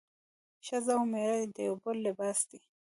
ښځه او مېړه د يو بل لباس وي